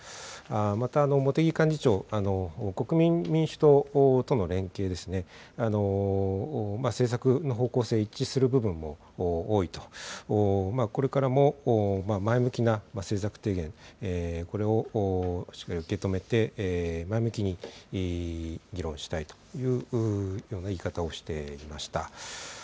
また、茂木幹事長、国民民主党との連携ですね、政策の方向性、一致する部分も多いと、これからも前向きな政策提言、これをしっかり受け止めて、前向きに議論したいというような言い方をしていました。